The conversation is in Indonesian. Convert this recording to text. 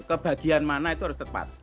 ke bagian mana itu harus tepat